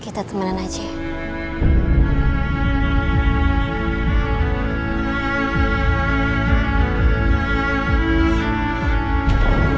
kita temenan aja ya